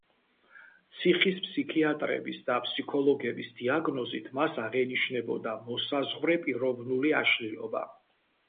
ციხის ფსიქიატრების და ფსიქოლოგების დიაგნოზით მას აღენიშნებოდა მოსაზღვრე პიროვნული აშლილობა.